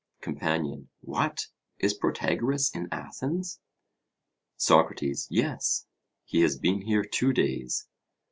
COMPANION: What! Is Protagoras in Athens? SOCRATES: Yes; he has been here two days.